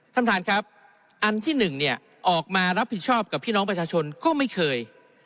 ท่านท่านครับอันที่หนึ่งเนี่ยออกมารับผิดชอบกับพี่น้องประชาชนก็ไม่เคย